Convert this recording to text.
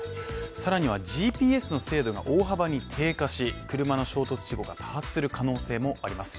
さらにはＧＰＳの精度が大幅に低下し、車の衝突事故が多発する可能性もあります